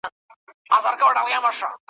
پر جل وهلي زړه مي ډکه پیمانه لګېږې ,